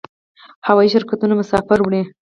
هوایی شرکتونه مسافر وړي